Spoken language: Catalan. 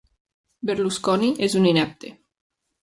Berlusconi és un inepte.